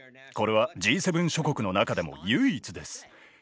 これはＧ７諸国の中でも唯一です。